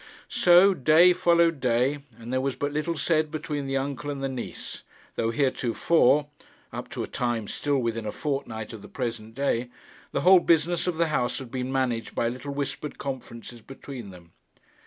So, day followed day, and there was but little said between the uncle and the niece, though heretofore up to a time still within a fortnight of the present day the whole business of the house had been managed by little whispered conferences between them.